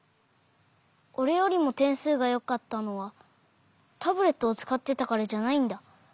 おれよりもてんすうがよかったのはタブレットをつかってたからじゃないんだ。